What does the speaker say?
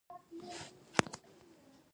ریشم نرمه ټوټه ده